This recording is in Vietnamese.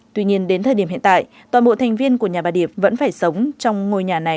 tuy nhiên đến thời điểm hiện tại toàn bộ thành viên của nhà bà điệp vẫn phải sống trong ngôi nhà này